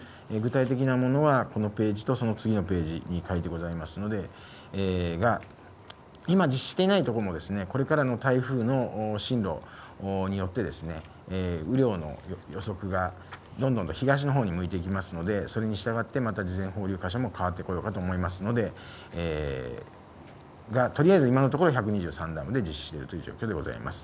具体的なものはこのページとその次のページに書いてございますので、今、実施していない所もこれからの台風の進路によって、雨量の予測がどんどんと東の方に向いていきますので、それに従ってまた事前放流箇所も変わってこようかと思いますので、とりあえず今のところ、１２３ダムで実施しているという状況でございます。